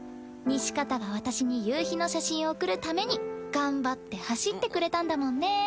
西片が私に夕日の写真を送るために頑張って走ってくれたんだもんね。